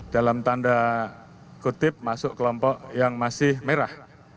dalam tanda kutip masuk kelompok yang masih merah